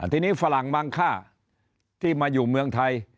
ทีนี้ฝรั่งบางค่าที่มาอยู่เมืองไทย